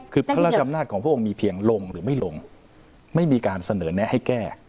คือพระราชอำนาจของพระองค์มีเพียงลงหรือไม่ลงไม่มีการเสนอแนะให้แก้